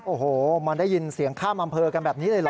โอ้โหมันได้ยินเสียงข้ามอำเภอกันแบบนี้เลยเหรอ